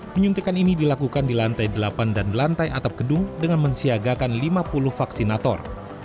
penyuntikan ini dilakukan di lantai delapan dan lantai atap gedung dengan mensiagakan lima puluh vaksinator